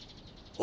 あ。